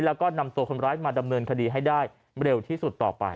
แล้วก็นำตัวคนร้ายมาดำเนินคดีให้ได้เร็วที่สุดต่อไป